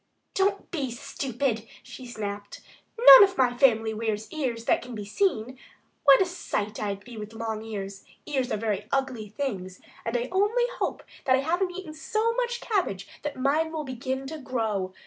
"Don't be stupid!" she snapped. "None of my family wears ears that can be seen. What a sight I'd be with long ears! Ears are very ugly things, and I only hope that I haven't eaten so much cabbage that mine will begin to grow....